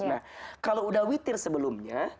nah kalau udah witir sebelumnya